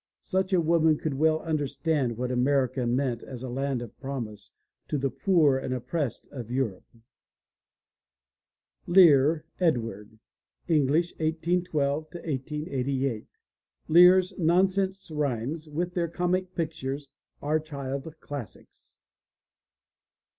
Such a woman could well understand what America meant as a land of promise to the poor and oppressed of Europe. LEAR, EDWARD (English, 1812 1888) Lear's Nonsense Rhymes with their comic pictures are child classics.